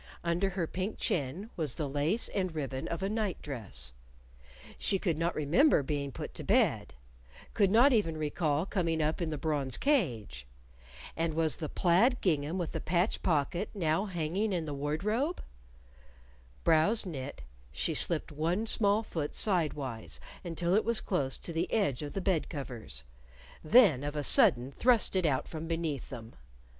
Under her pink chin was the lace and ribbon of a night dress. She could not remember being put to bed could not even recall coming up in the bronze cage. And was the plaid gingham with the patch pocket now hanging in the wardrobe? Brows knit, she slipped one small foot sidewise until it was close to the edge of the bed covers, then of a sudden thrust it out from beneath them.